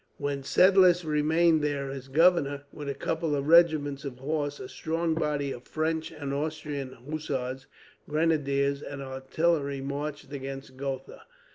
While Seidlitz remained there as governor, with a couple of regiments of horse, a strong body of French and Austrian hussars, grenadiers, and artillery marched against Gotha.